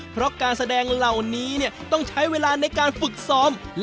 เพราะการแสดงเหล่านี้ต้องใช้เวลาในการฝึกซ้อม